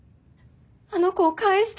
あの子を返して！